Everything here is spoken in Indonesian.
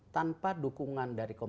tanpa dukungan dari pan